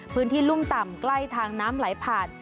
พื้นที่รุ่มต่ำใกล้ทางน้ำไหลผ่าน